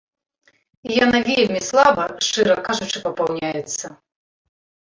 І яна вельмі слаба, шчыра кажучы, папаўняецца.